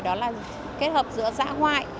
đó là kết hợp giữa giã ngoại